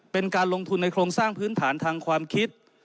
เป็นการลงทุนในโครงสร้างพื้นฐานทางความคิด